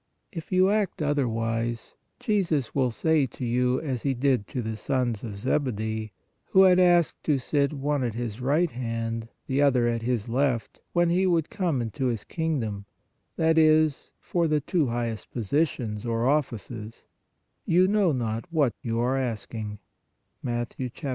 If you act oth erwise, Jesus will say to you as He did to the sons of Zebedee, who had asked to sit one at His right hand the other at His left, when He would come into His kingdom, that is, for the two highest positions, or offices :" You know not what you are asking " (Mat.